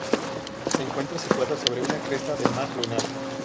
Se encuentra situado sobre una cresta del mar lunar.